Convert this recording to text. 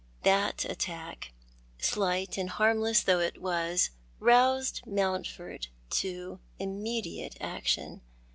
That attack, slight and harmless though it was, roused Mountford to imme diate action.